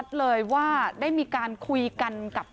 ได้มีการคุยกันกับ